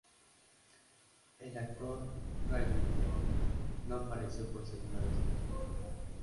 El actor Reggie Lee no apareció por segunda vez consecutiva.